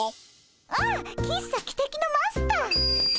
あっ喫茶汽笛のマスター。